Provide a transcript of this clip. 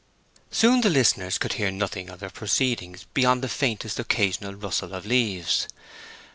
Soon the listeners could hear nothing of their proceedings beyond the faintest occasional rustle of leaves.